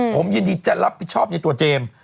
ผมยินดีจะรับผิดชอบในตัวเจมส์